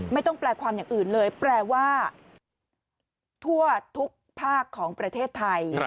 แปลความอย่างอื่นเลยแปลว่าทั่วทุกภาคของประเทศไทย